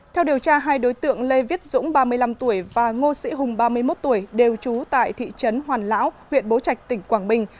theo điều tra hai đối tượng lê viết dũng ba mươi năm tuổi và ngô sĩ hùng ba mươi một tuổi đều trú tại thị trấn hoàn lão huyện bố trạch tỉnh quảng bình